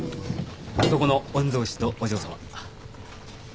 そこの御曹子とお嬢さま。